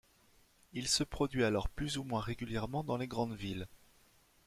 Il se produit alors plus ou moins régulièrement dans les grandes villes.